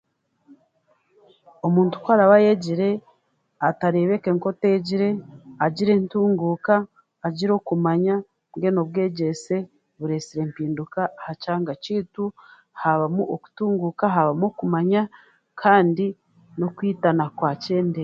Omuntu ku araba ayegire, atareebeke nk'oteegire, agira entunguuka, agira okumanya, mbwenu obwegyese bureesire empinduka aha kyanga kyaitu, haabamu okutunguuka, haabamu okumanya, kandi n'okwitana kwakyendeera.